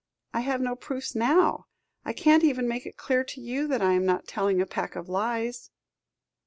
I have no proofs now. I can't even make it clear to you, that I am not telling a pack of lies."